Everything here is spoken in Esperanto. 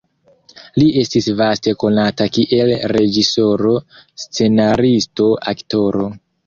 Li estis vaste konata kiel reĝisoro, scenaristo, aktoro.